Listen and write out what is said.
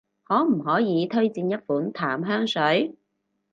可唔可以推薦一款淡香水？